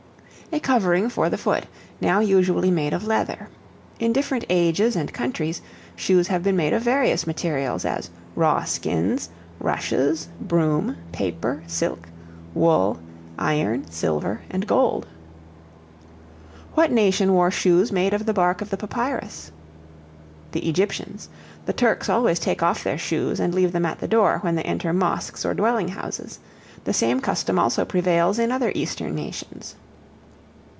A covering for the foot, now usually made of leather. In different ages and countries, shoes have been made of various materials, as raw skins, rushes, broom, paper, silk, wool, iron, silver, and gold. What nation wore Shoes made of the bark of the papyrus? The Egyptians. The Turks always take off their shoes, and leave them at the door, when they enter Mosques or dwelling houses. The same custom also prevails in other Eastern nations.